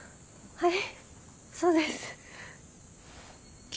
はい。